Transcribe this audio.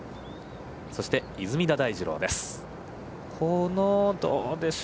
そして、出水田大二郎です。